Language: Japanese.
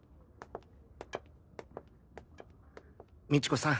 美知子さん